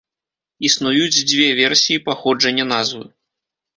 Існуюць дзве версіі паходжання назвы.